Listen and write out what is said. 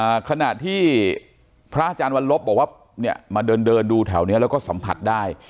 ขณะที่พระอาจารย์วันลบบอกว่าเนี่ยมาเดินเดินดูแถวเนี้ยแล้วก็สัมผัสได้